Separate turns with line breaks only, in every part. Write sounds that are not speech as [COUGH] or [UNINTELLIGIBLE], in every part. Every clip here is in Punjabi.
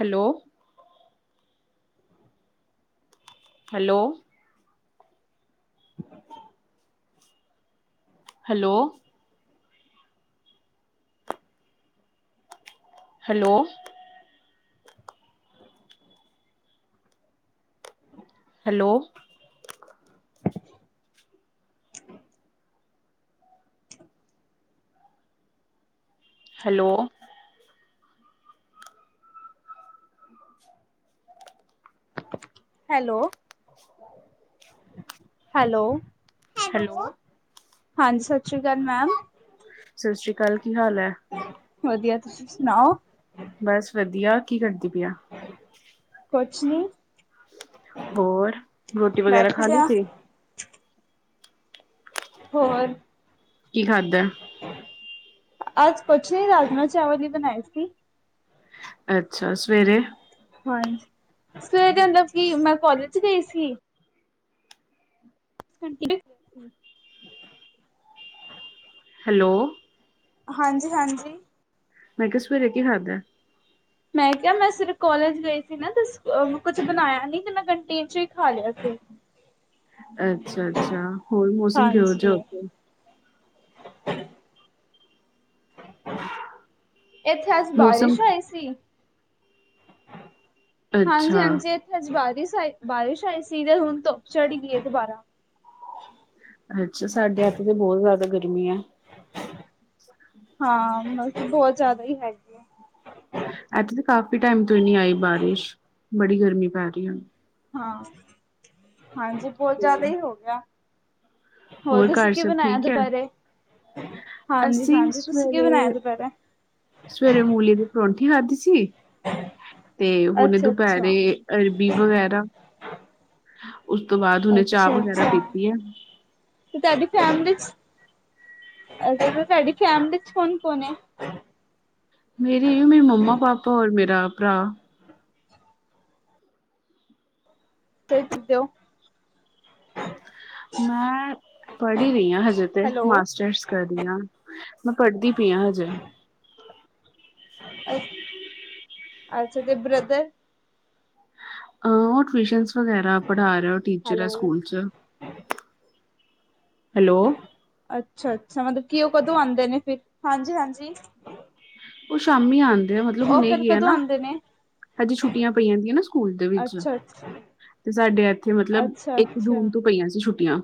Hello hello hello hello hello hello
hello
[INAUDIBLE]
hello
hello
ਹਾਂਜੀ ਸਤਿ ਸ਼੍ਰੀ ਅਕਾਲ ਮੈਮ
ਸਤਿ ਸ੍ਰੀ ਅਕਾਲ। ਕੀ ਹਾਲ ਐ
ਵਧੀਆ ਤੁਸੀਂ ਸੁਣਾਓ
ਬਸ ਵਧੀਆ ਕੀ ਕਰਦੀ ਪਈ
ਕੁਛ ਨੀ
ਹੋਰ ਰੋਟੀ ਵਗੈਰਾ
ਬੈਠੇ
ਖਾ
ਦੇ
ਲਈ
ਆ
ਸੀ
ਹੋਰ
ਕੀ ਖਾਧਾ
ਆਜ ਕੁਛ ਨੀ ਰਾਜਮਾ ਚਾਵਲ ਹੀ ਬਨਾਏ ਸੀ
ਅੱਛਾ ਸਵੇਰੇ
ਹਾਂਜੀ, ਸਵੇਰੇ ਮਤਲਬ ਕੀ ਮੈਂ ਕੋਲੇਜ ਗਈ ਸੀ। [UNINTELLIGIBLE]
ਹੈਲੋ।
ਹਾਂਜੀ, ਹਾਂਜੀ।
ਮੈਂ ਕੇਆ ਸਵੇਰੇ ਕੀ ਖਾਦਾ?
ਮੈਂ ਕੇਆ ਮੈਂ ਸੇਰੇ ਕੋਲੇਜ ਗਈ ਸੀ ਨਾ ਤੇ, ਕੁਛ ਬਣਾਇਆ ਨੀ ਤੇ ਮੈਂ ਕੰਟੀਨ ਚੋ ਈ ਖਾ ਲੇਆ ਸੀ। [INAUDIBLE]
ਅੱਛਾ, ਅੱਛਾ ਹੋਰ ਮੌਸਮ ਕਿਉਂ ਜਾ
ਹਾਂਜੀ
ਓਥੇ?
ਏਥੇ ਅੱਜ
ਮੌਸਮ
ਬਾਰੀਸ਼ ਆਈ ਸੀ। ਹਾਂਜੀ,
ਅੱਛਾ
ਹਾਂਜੀ ਏਥੇ ਅੱਜ ਬਾਰੀਸ਼ ਆਈ ਬਾਰਿਸ਼ ਆਈ ਸੀ ਤੇ ਹੁਨ ਧੁੱਪ ਚੜ ਗਈ ਏ ਦੁਬਾਰਾ।
ਅੱਛਾ, ਸਾਡੇ ਏਥੇ ਤੇ ਬਹੁਤ ਜਾ਼ਦਾ ਗਰਮੀ ਹੈ।
ਹਾਂ, ਬਸ ਬਹੁਤ ਜਾਦਾ ਹੀ ਹੈਗੀ। ਹੈ
ਏਥੇ ਤੇ ਕਾਫ਼ੀ ਟਾਈਮ ਤੋਂ ਈ ਨੀ ਆਈ ਬਾਰੀਸ਼ ਬੜੀ ਗਰਮੀ ਪੈ ਰਹੀ ਹੈ।
ਹਾਂ, ਹਾਂਜੀ ਪੋਚਾ ਤੇ ਹੋ ਗਿਆ।
ਹੋਰ
ਤੁਸੀਂ
ਘਰ
ਕੀ
ਸਭ
ਬਣਾਇਆ
ਠੀਕ ਹੈ?
ਦੁਪਹਿਰੇ ਹਾਂਜੀ
ਅਸੀਂ
ਹਾਂਜੀ ਤੁਸੀਂ ਕੀ ਬਣਾਇਆ
ਸਵੇਰੇ
ਦੁਪਹਿਰੇ
ਸਵੇਰੇ ਮੂਲੀ ਦੀ ਪਰੌਂਠੀ ਖਾਦੀ ਸੀ, ਤੇ ਹੁਣ
ਅੱਛਾ ਅੱਛਾ
ਦੁਪਹਿਰੇ ਅਰਬੀ ਵਗੈਰਾ, ਉਸ ਤੋ ਬਾਅਦ ਉਹਨੇ ਚਾਹ
ਅੱਛਾ
ਵਗੈਰਾ
ਅੱਛਾ
ਪੀਤੀ ਏ।
ਤੁਹਾਡੀ ਫੈਮਿਲੀਚ ਅੱਛਾ ਤੁਹਾਡੀ ਫੈਮਿਲੀ ਕੌਣ, ਕੌਣ ਏ?
ਮੇਰੀ ਮੰਮਾ, ਪਾਪਾ ਔਰ ਮੇਰਾ ਭਰਾ।
[UNINTELLIGIBLE]
ਮੈਂ ਪੜ੍ਹ ਰਹੀ ਆਂ ਹਜੇ ਤੇ,
ਹੈਲੋ
ਮਾਸਟਰਸ। ਕਰੀਆਂ ਮੈਂ ਪੜਦੀ ਪਈਆਂ ਹਜੇ।
ਅੱਛਾ ਤੇ ਬ੍ਰਦਰ?
ਆਂਓ ਟਵੀਸ਼ਨਸ ਵਗੈਰਾ ਪੜਾ ਰਹੇ ਓ ਟੀਚਰ ਹੈ
ਹੈਲੋ
ਸੂਕੂਲ ਚ। ਹੈਲੋ।
ਅੱਛਾ, ਅੱਛਾ ਮਤਲਬ ਕੀ ਓ ਕਦੋਂ ਆਂਦੇ ਨੇ ਫਿਰ? ਹਾਂਜੀ, ਹਾਂਜੀ।
ਓ ਸ਼ਾਮੀ ਆਂਦੇ ਮਤਲਬ
ਉਹ
ਹੁਨੇ
ਫਿਰ
ਈ ਹੈ
ਕਦੋਂ
ਨਾ।
ਆਉਂਦੇ ਨੇ
ਹਜੇ ਛੁੱਟੀਆਂ ਪਈਆਂ ਜਾਂਦੀਆਂ ਨਾ ਸੂਕੂਲ ਦੇ ਵਿਚ
[INAUDIBLE]
ਤੇ ਸਾਡੇ ਏਥੇ ਮਤਲਬ,
ਅੱਛਾ
ਇਕ
ਅੱਛਾ
ਜੂਨ ਤੋ ਪਈਆਂ ਸੀ ਛੁੱਟੀਆਂ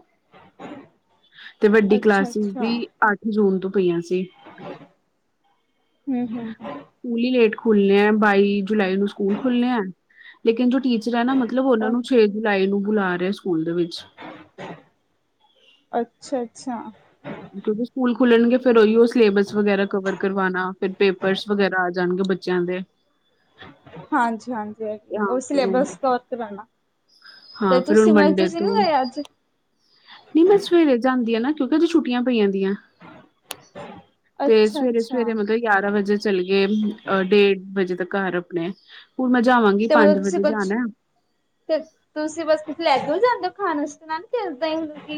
ਤੇ ਵੱਡੀ
ਅੱਛਾ
ਕਲਾਸਿਸ ਦੀ ਅੱਠ ਜੂਨ ਤੋ ਪਈਆਂ ਸੀ।
ਹੂ, ਹੂ
ਸਕੂਲ ਈ ਲੇਟ ਖੁੱਲ ਨੇ ਬਾਈ ਜੁਲਾਈ ਨੂੰ ਸਕੂਲ ਖੁੱਲ ਨੇ, ਲੇਕਿਨ ਜੋ ਟੀਚ ਟੀਚਰ ਨਾ ਮਤਲਬ ਉਹਨਾਂ ਨੂੰ ਛੇ ਜੁਲਾਈ ਨੂ ਬੁਲਾ ਰਹੇ ਸਕੂਲ ਦੇ ਵਿਚ।
ਅੱਛਾ, ਅੱਛਾ।
ਜਦੋਂ ਸਕੂਲ ਖੁਲਨਗੇ ਫਿਰ ਓਈਓ ਸਲੇਬਸ ਵਗੈਰਾ ਕਵਰ ਕਰਵਾਨਾ ਫਿਰ ਪੇਪਰਸ ਵਗੈਰਾ ਆ ਜਾਨਗੇ ਬੱਚੇ [UNINTELLIGIBLE]
ਹਾਂਜੀ, ਹਾਂਜੀ, ਹਾਂਜੀ
ਹਾਂ
ਓ
ਫਿਰ ਹੁਣ
ਸਲੇਬਸ ਕਵਰ ਕਰਾਨਾ ਤੇ
ਹਾਂ ਫਿਰ
ਤੂਸੀ,
ਹੁਣ
ਮੈ ਤੂਸੀ ਨੀ ਗਏ ਅਜ?
ਨਈ ਮੈਂ ਸਵੇਰੇ ਜਾਂਦੀ ਆਨਾ ਕਿਉਂਕਿ ਅਜੇ ਛੁੱਟੀਆਂ ਪਈਆਂ ਦੀਆਂ। ਤੇ ਸਵੇਰੇ,
ਅੱਛਾ-ਅੱਛਾ
ਸਵੇਰੇ ਮਤਈ ਗਿਆਰਾਂ ਵਜੇ ਚਲਗੇ, ਅ ਡੇਢ ਵਜੇ ਤਕ ਘਾਰ ਅਪਨੇ ਹੁਨ ਮੈਂ ਜਾਵਾਂਗੀ
ਤੇ ਮਲਬ
ਪੰਜ
ਤੂਸੀ
ਵਜੇ
ਕੁਛ
ਜਾਣਾ
ਤ ਤੂਸੀ ਬਸਤੇਚ ਲੈ ਕੇ ਵੀ ਜਾਂਦੇ ਓ ਖਾਨਾ?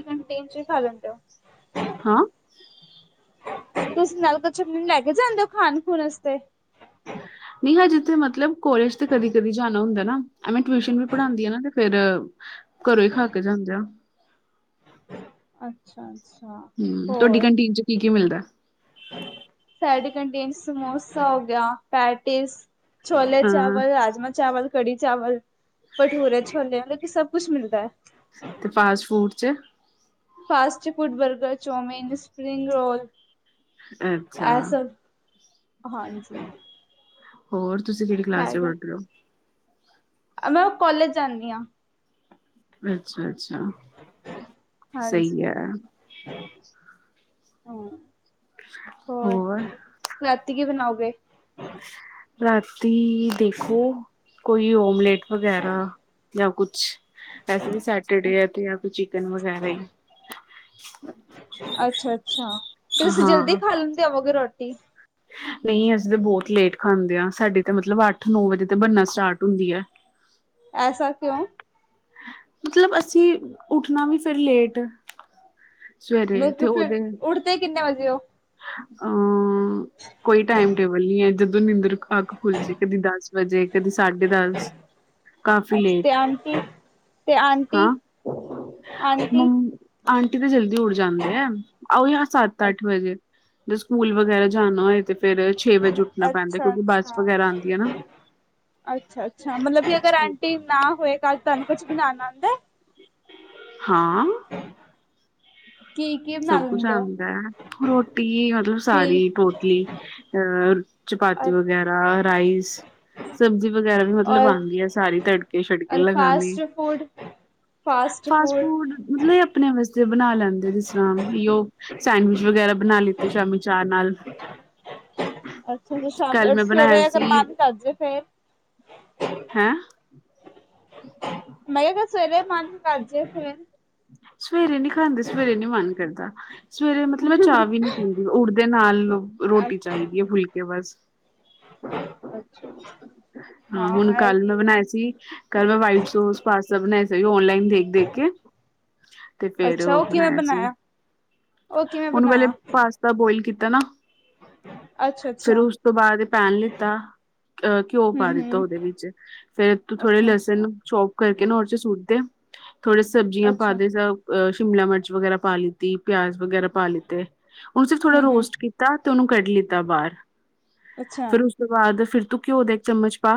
ਕਨਟੀਨ ਚ ਖਾ ਲੈਂਦੇ ਓ? [INAUDIBLE]
ਹਾਂ।
ਤੁਸੀਂ ਨਾਲ ਕੁਛ, ਲੈ ਕੇ ਜਾਂਦੇ ਓ ਖਾਨ ਖੂਨ ਅਸਤੇ?
ਨਈ ਹਜੇ ਤੇ ਮਤਲਬ ਕੋਲੇਜ ਤੇ ਕਦੀ, ਕਦੀ ਜਾਨਾ ਹੁੰਦੈ ਨਾ, ਐਵੇਂ ਟਵੀਸ਼ਨ ਵੀ ਪਢਾਂਦੀ ਆਨਾ ਤੇ ਫੇਰ ਘਰੋਂ ਈ ਖਾ ਕੇ ਜਾਂਦੇ ਓ?
ਅੱਛਾ! ਅੱਛਾ!
ਹਮ ਤੁਹਾਡੀ
ਹੋਰ
ਕੰਟੀਨ ਚ ਕੀ -ਕੀ ਮਿਲਦਾ।
ਸਾਡੀ ਕੈਨਟਿਨ ਸਮੋਸਾ ਹੋ ਗਿਆ, ਪੈਟਿਸ ਛੋਲੇ
ਹਾਂ
ਚਾਵਲ, ਰਾਜਮਾਂ ਚਾਵਲ, ਕੜੀ ਚਾਵਲ, ਭਠਰੇ ਛੋਲੇ ਮਤਲਬ ਕਿ ਸਭ ਕੁਛ ਮਿਲਦਾ ਐ।
ਤੇ ਫਾਸਟ ਫੂਡ 'ਚ।
Fast food burger, chowmein, spring roll
ਅੱਛਾ
ਐਸ ਹਾਂਜੀ।
ਹੋਰ ਤੁਸੀਂ ਕੇੜੀ ਕਲਾਸ ਚ ਪੜ੍ਹ ਰੇ
ਹੈਗਾ
ਓ?
ਮੈਂ ਓ ਕੋਾਲਜ ਜਾਂਨੀ ਆਂ।
ਅੱਛਾ-ਅੱਛਾ।
ਹਾਂਜੀ ਹਮ ਹੋਰ ਰਾਤੀ ਕੀ ਬਣਾਓਗੇ?
ਰਾਤੀ ਦੇਖੋ ਕੋਈ ਓਮਲੇਟ ਵਗੈਰਾ ਜਾਂ ਕੁਛ। ਵੈਸੇ ਵੀ ਸੈਟਰਡੇ ਐ ਤੇ ਅ ਕੋ ਚਿਕਨ ਵਗੈਰਾ ਈ।
ਅੱਛਾ ਅੱਛਾ ਤੇ ਤੁਸੀਂ ਜਲਦੀ ਖਾ ਲੈਂਦੇ ਹੋਵੋਗੇ ਰੋਟੀ
ਨੲੀਂ ਅਸੀਂ ਤਾਂ ਬੌਤ ਲੇਟ ਖਾਂਦੇ ਆਂ ਸਾਡੇ ਤਾਂ ਮਤਲਬ ਅੱਠ ਨੌ ਵਜੇ ਤੇ ਬਨਨਾ ਸਟਾਟ ਹੁੰਦੀ ਐ।
ਐਸਾ ਕਿਉਂ?
ਮਤਲਬ ਅਸੀਂ ਉੱਠਣਾ ਵੀ ਫੇਰ ਲੇਟ ਸਵੇਰੇ
ਬਲਕਿ ਫਿਰ ਉੱਠਦੇ ਕਿੰਨੇ ਵਜੇ ਹੋ?
ਅੰ ਕੋਈ ਟੈਅਮ ਟੇਬਲ ਨੀ ਐ ਜਦੋਂ ਨਿੰਦਰ ਕ ਅਖ ਖੁੱਲਜੇ ਕਦੀ ਦੱਸ ਵਜੇ ਕਦੀ ਸਾਢੇ ਦਸ ਕਾਫੀ
ਅੱਛਾ ਤੇ
ਲੇਟ,
ਆਂਟੀ ਤੇ ਆਂਟੀ
ਹਾਂ
ਆਂਟੀ
ਹੂੰ ਆਂਟੀ ਤੇ ਜਲਦੀ ਉੱਡ ਜਾਂਦੇ ਐ ਆਓ ਯ ਸੱਤ ਅੱਠ ਵਜੇ। ਜ ਸਕੂਲ ਵਗੈਰਾ ਜਾਣਾ ਹੋਏ ਤੇ ਫੇਰ ਛੇ ਵਜੇ ਉੁੱਠਣਾ
ਅੱਛਾ
ਪੈਂਦੈ ਕਿਉਂਕਿ ਬੱਸ ਵਗੈਰਾ ਆਂਦੀ ਐ ਨਾ।
ਅੱਛਾ-ਅੱਛਾ ਮਲਬ ਕਿ ਅਗਰ ਆਂਟੀ ਨਾ ਹੋਏ ਕੱਲ ਤਾਨੂੰ ਕੁਛ ਵੀ ਨ [UNINTELLIGIBLE] ਤੇ
ਹਾਂ
ਕੀ ਕੀ ਬਣਾ
ਸਭ ਕੁਛ
ਲੈਂਦੇ ਹੋ
ਆਉਂਦਾ ਰੋਟੀ ਮਤਲਬ
ਕੀ
ਸਾਰੀ ਟੋਟਲੀ ਅਹ ਚਪਾਤੀ
ਔਰ
ਵਗੈਰਾ ਰਾਈਸ ਸਬਜ਼ੀ ਵਗੈਰਾ ਵੀ ਮਤਲਬ
ਔਰ
ਆਉਂਦੀ ਹੈ ਸਾਰੀ ਤੜਕੇ ਸ਼ੜਕੇ
ਔਰ
ਲਗਾਨੇ।
ਫਾਸਟ ਫੂਡ ਫਾਸਟ ਫੂਡ
ਮਤਲ ਏ ਆਪਣੇ ਵਾਸਤੇ ਬਣਾ ਲੈਂਦੇ ਜਿਸ ਤਆਂ [UNINTELLIGIBLE] ਓ ਸੈਂਡਵਿ ਵਗੈਰਾ ਬਨਾ ਲਿੱਤੇ ਸ਼ਾਮੀ ਚਾਰ ਨਾਲ।
ਅੱਛਾ ਜ ਸ਼ਾਮ
ਕੱਲ
ਰ
ਮੈਂ ਬਣਾਇਆ
ਸਵੇਰੇ ਫੇ
ਸੀ
ਮਾਮ ਚਜੇ ਫੇਰ?
ਹੈਂ
ਮੈਂ ਕਿਹਾ ਸਵੇਰੇ ਮਨ ਕਜੇ ਫ?
ਸਵੇਰੇ ਨੀ ਖਾਂਦੇ ਸਵੇਰੇ ਨੀ ਮਨ ਕਰਦਾ ਸਵੇਰੇ ਮਤਲਬ ਮੈਂ ਚਾਹ ਵੀ ਨੀ ਪੀਂਦੀ। ਉੜਦੇ ਨਾਲੂ ਰੋਟੀ ਚਾਈਦੀ ਏ ਫੁਲਕੇ ਬਸ।
ਅੱਛਾ-ਅੱਛਾ।
ਹਾਂ ਹੁਨ ਕੱਲ ਮੈਂ ਬਨਾਇਆ ਸੀ ਕੱਲ ਵਾਈਟ ਸੋਸ ਪਾਸਤਾ ਬਨਾਇਆ ਸੀ ਓਨਲਾਈਨ ਦੇਖ ਦੇਖ ਕੇ। ਤੇ ਫੇਰ ਉਹ ਬਣਾਇਆ ਸੀ
ਉਹ ਕਿਵੇਂ
ਉਹਨੂੰ ਵੇਲੇ
ਬਣਾਇਆ
ਪਾਸ ਤਾ ਬੋਇਲ ਕੀਤਾ ਨਾ,
ਅੱਛਾ
ਫੇਰ
ਅੱਛਾ
ਉਸ ਤੋਂ ਬਾਦ ਪੈਨ ਲਿੱਤਾ। ਅਹ ਘਿਓ
ਹੂੰ
ਪਾ ਦਿੱਤਾ
ਹੂੰ
ਓਦੇ ਵਿੱਚ, ਫੇਰ ਤੂੰ ਥੋੜੇ
ਅੱਛਾ
ਲਸਣ
ਅੱਛਾ
ਛੋ ਕਰਕੇ ਨੜ ਚ ਸੁਟਦੇ ਥੋੜੇ ਸਬਜ਼ੀਆਂ ਪਾ
ਅੱਛਾ
ਦੇ ਸ ਅ ਸ਼ਿਮਲਾ ਮਰਚ ਵਗੈਰਾ ਪਾ ਲਿੱਤੀ ਪਿਆਜ ਵਗੈਰਾ ਪਾ ਲਿੱਤੇ, ਹੁਨ ਸਿਫ ਥੋੜਾ
ਹੂੰ ਹੂੰ
ਰੋਸਟ ਕੀ ਤਾ ਤ ਓਨੂੰ ਕੱਢ ਲਿੱਤਾ ਬਾਰ,
ਅੱਛਾ
ਫਿਰ ਉਸ ਓ ਤੋਂ ਬਾਦ ਫਿਰ ਤੂੰ ਘਿਓ ਦੇ ਚਮਚ ਪਾ,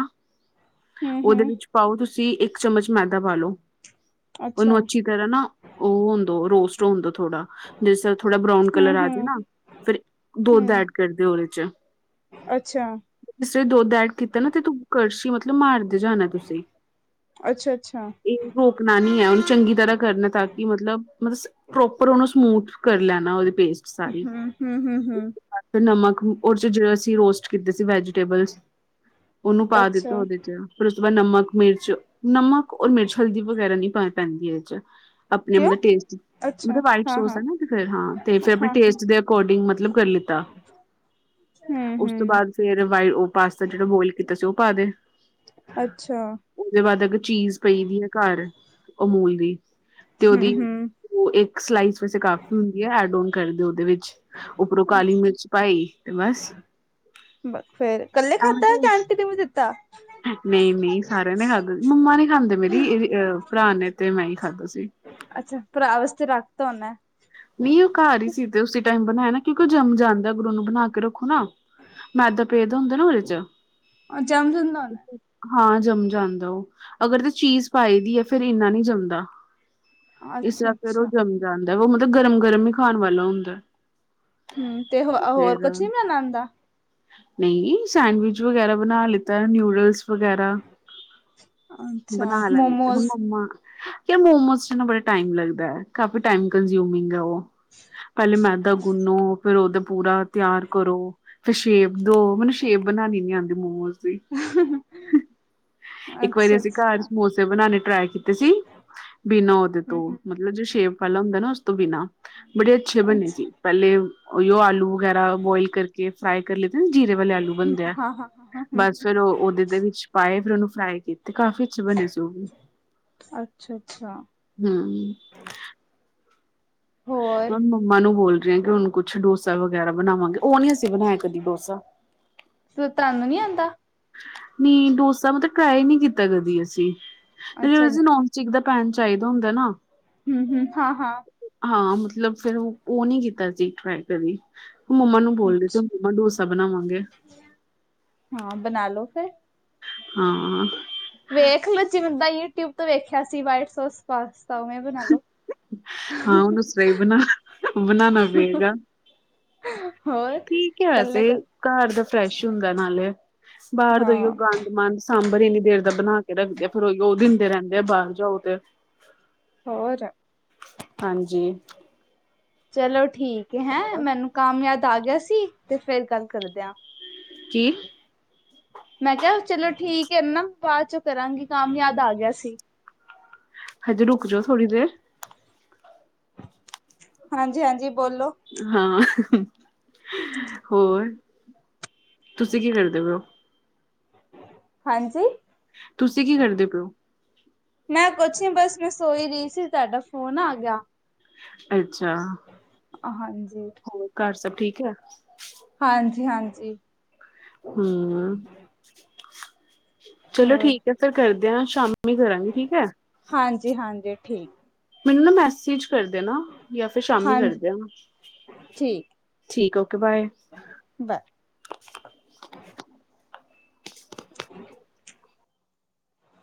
ਹੂੰ
ਓਦੇ
ਹੂੰ
ਵਿੱਚ ਪਾਓ ਤੁਸ ਤੁਸੀਂ ਇੱਕ ਚਮਚ ਮੈਦਾ ਪਾਲੋ, ਓਨੂੰ
ਅੱਛਾ
ਜਿਹੜਾ ਨਾ ਓ ਹੁੰਦਾ ਰੋਸਟ ਹੁੰਦਾ ਥੋੜਾ ਜਿਸ ਤਰ੍ਹਾਂ ਥੋੜ੍ਹਾ ਬਰਾਊਨ
ਹੂੰ
ਕਲਰ ਆ ਜਾ
ਹੂੰ
ਨਾ ਫਿਰ ਦੁੱਧ
ਹੂੰ
ਐਡ ਕਰਦੇ ਓਦੇ 'ਚ
ਅੱਛਾ।
ਫਿਰ ਦੁਧ ਐਡ ਕੀਤਾ ਤੁ ਕੜਸੀ ਮਤਲਬ ਮਾਰਦੇ ਜਾਣਾ ਤੁਸੀਂ
ਅੱਛਾ ਅੱਛਾ
ਇਹ ਰੋਕਣਾ ਨੀ ਐ। ਚੰਗੀ ਤਰ੍ਹਾਂ ਕਰਨਾ ਤਾਂ ਕਿ ਮਤਲਬ, ਮਤਲਬ ਪ੍ਰੋਪਰ ਉਹਨੂੰ ਸਮੂਥ ਕਰ ਲੈਣਾ ਓਦੀ ਪੇਸਟ ਸਾਰੀ
ਹੂੰ, ਹੂੰ, ਹੂੰ, ਹੂੰ
ਨਮਕ ਉਹਦੇ ਚ ਜਿਵੇ ਅਸੀਂ ਰੋਸਟ ਕੀਤੇ ਸੀ ਵੈਜੀਟੇਬਲ ਓਨੂੰ ਪਾ ਦਿੱਤਾ
ਅੱਛਾ
ਓਦੇ ਚ ਫਿਰ ਉਸ ਤੋਂ ਬਾਅਦ ਨਮਕ, ਮਿਰਚ, ਨਮਕ ਔਰ ਮਿਰਚ ਹਲਦੀ ਵਗੈਰਾ ਨੀ ਪਾਣੀ ਪੈਂਦੀ ਇਦੇ 'ਚ ਆਪਣੇ
ਕਿਉਂ
ਮਤਲਬ ਟੇਸਟ
ਅੱਛਾ
ਮਤਲਬ ਵਾਈਟ
ਹਾਂ
ਸੌਸ ਐ
ਹਾਂ
ਨਾ, ਹਾਂ ਤੇ ਫਿਰ ਆਪਣੇ
ਹਾਂ
ਟੇਸਟ ਦੇ ਅਕੋਰਡਿੰਗ ਮਤਲਬ ਕਰ ਲਿੱਤਾ। ਉਸ ਤੋਂ
ਹੂੰ-ਹੂੰ
ਬਾਅਦ ਫੇਰ ਵ ਉਹ ਪਾਸਤਾ ਜਿਹੜਾ ਬੋਇਲ ਕੀਤਾ ਸੀ ਉਹ ਪਾ ਦੇ
ਅੱਛਾ।
ਓਦੇ ਬਾਅਦ ਅਗਰ ਚੀਜ਼ ਪਈ ਦੀ ਐ ਘਰ ਅਮੂਲ ਦੀ ਤੇ ਉਹਦੀ
ਹੂੰ-ਹੂੰ
ਓਹ ਇੱਕ ਸਲਾਈਸ ਵੈਸੇ ਕਾਫੀ ਹੁੰਦੀ ਹੈ ਐਡ ੳਨ ਕਰਦੇ ਓਦੇ ਵਿੱਚ ਉੱਪਰੋਂ ਕਾਲੀ ਮਿਰਚ
ਅੱਛਾ
ਪਾਈ ਤੇ ਬਸ ਐਵੇ
ਕਿਸੇ ਨੂ ਨਹੀ ਦਿੱਤਾ
ਨਹੀਂ, ਨਹੀਂ ਸਾਰਿਆਂ ਨੇ ਖਾਧਾ ਮੰਮਾ ਨੀ ਖਾਂਦੇ ਮੇਰੀ ਅ ਭਰਾ ਨੇ ਤੇ ਮੈਂ ਹੀ ਖਾਧਾ ਸੀ।
ਅੱਛਾ ਭਰਾ ਵਾਸਤੇ ਰੱਖ ਦਿਤਾ ਹੋਂਨਾ।
ਨਹੀਂ ਉਹ ਘਰ ਈ ਸੀ ਤੇ ਉਸੇ ਟਾਈਮ ਬਣਾਆ ਨਾ ਕਿਉਂਕਿ ਉਹ ਜੰਮ ਜਾਂਦਾ ਓਨੂੰ ਬਣਾ ਕੇ ਰੱਖੋ ਨਾ ਮੈਦਾ ਪੇਇਆ ਹੁੰਦੇ ਨਾ ਓਦੇ ਚ
ਜਮ ਜਾਂਦਾ ਹੋਣਾ।
ਹਾਂ ਜੰਮ ਜਾਂਦਾ ਓਹ। ਅਗਰ ਤਾਂ ਚੀਜ਼ ਪਾਈ ਦੀ ਐ, ਫਿਰ ਇੰਨਾ ਨੀ ਜੰਮਦਾ। ਇਸਤਰਾ ਫਿਰ ਉਹ
ਅੱਛਾ-ਅੱਛਾ
ਜੰਮ ਜਾਂਦਾ ਉਹ ਮਤਲਬ ਗਰਮ ਗਰਮ ਹੀ ਖਾਣ ਵਾਲਾ ਹੁੰਦਾ।
ਹੂੰ ਤੇ ਹੋ ਹੋਰ ਕੁਛ ਨੀ ਬਨਾਨਾ ਆਦਾ?
ਨੲਈ ਸੈਂਡਵਿਚ ਵਗੈਰਾ ਬਣਾ ਲਿਤਾ ਐ ਨਿਊਡਲਸ ਵਗੈਰਾ
ਅੱਛਾ
ਬਣਾ ਲੈਂਦੇ ਹੁਣ
ਮੋਮੋਸ
ਮੰਮਾ ਕ ਮੋਮੋਸ ਚ ਬੜਾ ਟਾਈਮ ਲੱਗਦਾ ਹੈ ਕਾਫੀ ਟਾਈਮ ਕੰਜਿਊਮਿੰਗ ਐ ਓ ਪਹਿਲੇ ਮੈਦਾ ਗੁੰਨੋ ਫੇਰ ਉਦਾ ਪੂਰਾ ਤਿਆਰ ਕਰੋ ਤੇ ਸ਼ੇਪ ਦੋ ਮੈਨੂੰ ਸ਼ੇਪ ਬਣਾਣੀ ਨੀ ਆਂਦੀ ਮੋਜ਼
[INAUDIBLE]
ਇੱਕ ਵਾਰੀ ਅਸੀਂ ਘਰ
ਅੱਛਾ-ਅੱਛਾ
ਸਮੋਸੇ ਬਣਾਣੇ ਟਰਾਈ ਕੀਤੇ ਸੀ। ਬਿਨਾਂ ਓਦੇ ਤੋਂ
ਹੂੰ-ਹੂੰ
ਮਤਲਬ ਮਤਲਬ ਜੋ ਸ਼ੇਪ ਪਹਿਲਾ ਹੁੰਦਾ ਨਾ ਉਸ ਤੋਂ ਬਿਨਾਂ ਬੜੇ ਅੱਛੇ ਬਣੇੇ ਸੀ
ਅੱਛਾ
ਪਹਿਲੇ ਓਹੀਓ ਆਲੂ ਵਗੈਰਾ ਬੋਆਇਲ ਕਰ ਕੇ ਫਰਾਈ ਕਰ ਲਦੇ ਨਾ ਜੀਰੇ ਵਾਲੇ ਆਲੂ ਬਣਦੇ ਆ
ਹਾਂ-ਹਾਂ-ਹਾਂ ਹੂੰ
ਬਸ ਫੇਰ ਉਹ ਉਹਦੇ ਦੇ ਵਿੱਚ ਪਾਏ ਫਿਰ ਉਹਨੂੰ ਫਰਾਈ ਕੀਤੇ ਕਾਫ਼ੀ ਅੱਛੇ ਬਣੇ ਸੀ ਉਹ ਵੀ।
ਅੱਛਾ-ਅੱਛਾ
ਹੁ
ਹੋਰ
ਮੈਂ ਮੰਮਾ ਨੂੰ ਬੋਲ ਰਹੀ ਹ ਕਿ ਹੁਣ ਕੁਛ ਡੋਸਾ ਵਗੈਰਾ ਬਣਾਵਾਂਗੇ ਉਹ ਨੀ ਅਸੀਂ ਬਣਾਇਆ ਕਦੀ ਡੋਸਾ।
ਫਿਰ ਤੁਹਾਨੂ ਨੀ ਆਂਦਾ।
ਨੀ ਡੋਸਾ ਮਤਲਬ ਟਰਾਈ ਨੀ ਕੀਤਾ ਕਦੀ ਅਸੀ
ਅੱਛਾ
ਜ ਨ ਟਿਕ ਦਾ ਪੈਣ ਚਾਹੀਦਾ ਹੁੰਦਾ ਨਾ।
ਹੁ-ਹੁ ਹਾਂ-ਹਾਂ
ਹਾਂ ਮਤਲਬ ਫੇਰ ਉਹ ਨੀ ਕੀਤਾ ਸੀ ਟਰਾਈ ਕਦੀ ਮੰਮਾ ਨੂੰ ਬੋਲ ਰਹੀ ਸੀ।
ਅੱਛਾ
ਮਮਾ ਡੋਸਾ ਬਣਾਵਾਂਗੇ।
ਹਾਂ ਬਣਾ ਲੋੋ ਫੇਰ।
ਹਾਂ
ਵੇਖ ਲੋ ਜਿਵੇ ਦਾ ਯੂਟਿਊਬ ਤੋਂ ਵੇਖਿਆ ਸੀ ਵਾਈਟ ਸੋਸ ਪਾਸਤਾ ਉਵੇ ਬਣਾਲੋ।
ਹਾਂ ਉਸਤਰਾ ਬਣਾ ਬਣਾਣਾ ਪਏਗਾ।
ਹੋਰ
ਠੀਕ ਐ
ਕੱਲੇ
ਵੈਸੇ
ਕੱਲ
ਘਰ ਦਾ ਫਰੈਸ਼ ਹੁੰਦਾ ਨਾਲੇ। ਬਾਰ ਦਾ ਓਇਯੋ
ਹਾਂ
ਗਾਂ ਮਨ ਸਾਂਬਰ ਇੰਨੀ ਦੇਰ ਦਾ ਬਨਾ ਕੇ ਰੱਖਦੇ ਆ ਫੇਰ ਉਇਯੋ ਦਿੰਦੇ ਰੇਂਦੇ ਆ ਬਾਰ ਜਾਓ ਤੇ।
ਹੋਰ
ਹਾਂਜੀ
ਚਲੋ ਠੀਕ ਐ ਹੈਂ ਮੈਨੂੰ ਕਾਮ ਯਾਦ ਆ ਗਿਆ ਸੀ ਤੇ ਫੇਰ ਗੱਲ ਕਰਦੇ ਆ।
ਕੀ?
ਮੈਂ ਕਯਾ ਚਲੋ ਠੀਕ ਐ ਮਮ ਬਾਅਦ ਚੋਂ ਕਰਾਂਗੀ ਕਾਮ ਯਾਦ ਆ ਗਿਆ ਸੀ।
ਹਜੇ ਰੁਕ ਜੋ ਥੋੜ੍ਹੀ ਦੇਰ।
ਹਾਂਜੀ-ਹਾਂਜੀ ਬੋਲੋ।
ਹਾਂ, ਹੋਰ ਤੁਸੀਂ ਕੀ ਕਰਦੇ ਪਏ ਔ?
ਹਾਂਜੀ
ਤੁਸੀਂ ਕੀ ਕਰਦੇ ਪਯੋ?
ਮੈਂ ਕੁਛ ਨੀ ਬਸ ਮੈਂ ਸੋ ਈ ਰਹੀ ਸੀ ਤੁਆਡਾ ਫੋਨ ਆ ਗਿਆ।
ਅੱਛਾ
ਹਾਂਜੀ
ਹੋਰ ਘਰ ਸਭ ਠੀਕ ਐ?
ਹਾਂਜੀ-ਹਾਂਜੀ।
ਹੂੰ ਚਲੋ
ਹੋਰ
ਠੀਕ ਏ ਫੇਰ ਕਰਦੇਆਂ, ਸ਼ਾਮੀ ਕਰਾਂਗੀ ਠੀਕ ਏ।
ਹਾਂਜੀ-ਹਾਂਜੀ ਠੀਕ।
ਮੈਨੂੰ ਨਾ ਮੈਸੇਜ ਕਰ ਦੇਨਾ ਯਾ ਫਿਰ ਸ਼ਾਮੀ
ਹਾਂਜੀ
ਕਰਦੇ ਆ। ਠੀਕ ਓਕੇ ਬਾਏ।
ਬਾਏ। [UNINTELLIGIBLE]